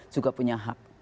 juga punya hak